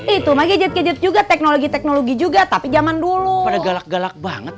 itu magejit kejut juga teknologi teknologi juga tapi zaman dulu pada galak galak banget